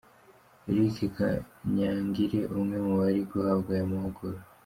Eric Kanyangira umwe mu bari guhabwa aya mahugurwa.